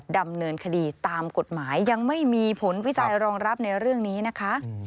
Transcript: ดำเนินคดีตามกฎหมายยังไม่มีผลวิจัยรองรับในเรื่องนี้นะคะ